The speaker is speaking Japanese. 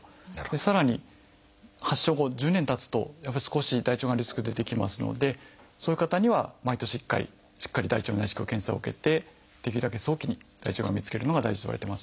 さらに発症後１０年たつとやっぱり少し大腸がんリスク出てきますのでそういう方には毎年１回しっかり大腸内視鏡検査を受けてできるだけ早期に大腸がんを見つけるのが大事といわれています。